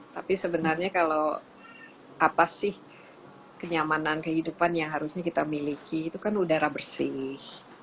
tapi sebenarnya kalau apa sih kenyamanan kehidupan yang harusnya kita miliki itu kan udara bersih